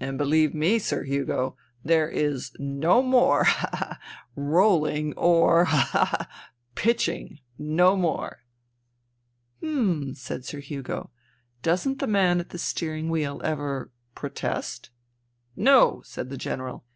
And beheve me, Sir Hugo, there is no more — ha, ha, ha — rolling or — ha, ha, ha — pitching \ No more." " Hm," said Sir Hugo. " Doesn't the man at the steering wheel ever ... protest ?" "No," said the General.